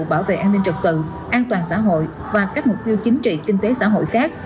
bảo vệ an ninh trật tự an toàn xã hội và các mục tiêu chính trị kinh tế xã hội khác